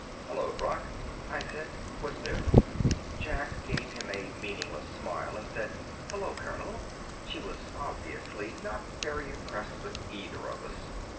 "Hello, Brock," I said. "What's new?" Jack gave him a meaningless smile and said: "Hello, colonel." She was obviously not very impressed with either of us.